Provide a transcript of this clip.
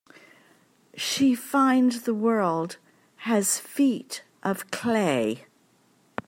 She finds the world has feet of clay.